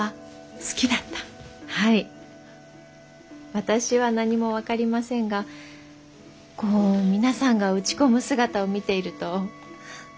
私は何も分かりませんがこう皆さんが打ち込む姿を見ていると何だかワクワクして。